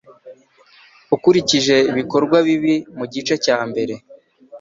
ukurikije ibikorwa bibi mugice cya mbere